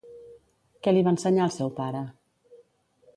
Què li va ensenyar el seu pare?